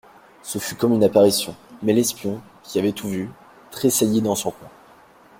Ce fut comme une apparition ; mais l'espion, qui avait tout vu, tressaillit dans son coin.